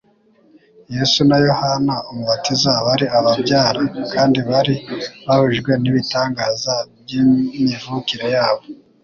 Yesu na Yohana Umubatiza bari ababyara kandi bari bahujwe n'ibitangaza by'imivukire yabo;